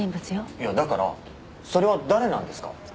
いやだからそれは誰なんですか？